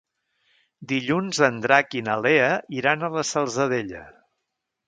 Dilluns en Drac i na Lea iran a la Salzadella.